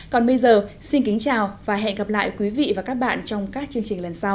còn bây giờ xin kính chào và hẹn gặp lại quý vị và các bạn trong các chương trình lần sau